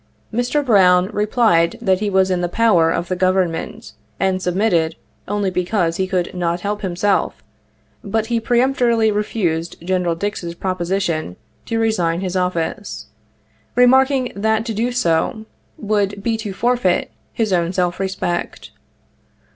Mr. Brown replied that he was in the power of the Government and submitted only because he could not help himself, but he peremptorily refused Gen. Dix's proposition to resign his office, remarking that to do so would be to forfeit his 84 own self respect.